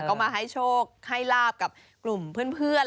ก็มาให้โชคให้ลาบกับกลุ่มเพื่อน